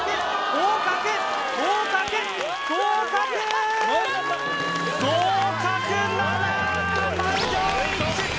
合格７！